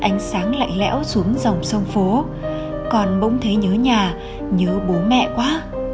ánh sáng lạnh lẽo xuống dòng sông phố còn bỗng thấy nhớ nhà nhớ bố mẹ quá